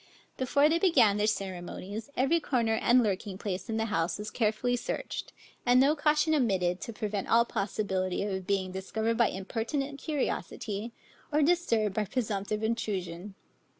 Before they began their ceremonies, every corner and lurking place in the house was carefully searched, and no caution omitted to prevent all possibility of being discovered by impertinent curiosity, or disturbed by presumptive intrusion.